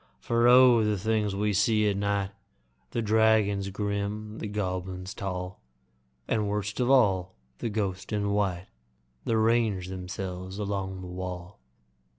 For O! the things we see at night The dragons grim, the goblins tall, And, worst of all, the ghosts in white That range themselves along the wall!